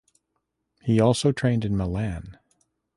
He also trained in Milan.